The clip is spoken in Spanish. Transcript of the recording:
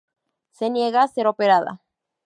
Se niega a ser operada.